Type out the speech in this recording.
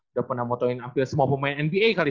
udah pernah motongin hampir semua pemain nba kali